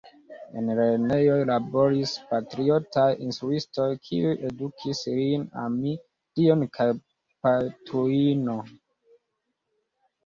En lernejoj laboris patriotaj instruistoj, kiuj edukis lin ami Dion kaj Patrujon.